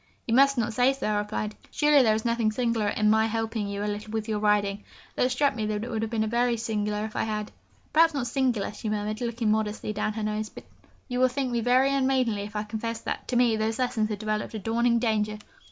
'You must not say so,' I replied. 'Surely there is nothing singular in my helping you a little with your riding?' Though it struck me that it would have been very singular if I had. 'Perhaps not singular,' she murmured, looking modestly down her nose; 'but will you think me very unmaidenly if I confess that, to me, those lessons have developed a dawning danger?'